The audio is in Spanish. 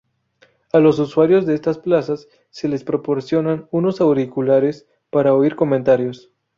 A los usuarios de estas plazas se les proporcionan unos auriculares para oír comentarios.